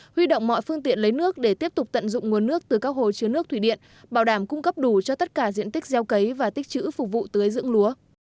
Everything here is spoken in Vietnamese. huy động mọi phương tiện lấy nước để tiếp tục tận dụng nguồn nước từ các hồ chứa nước thủy điện bảo đảm cung cấp đủ cho tất cả diện tích gieo cấy và tích chữ phục vụ tưới dưỡng lúa